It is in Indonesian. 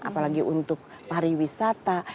apalagi untuk pariwisata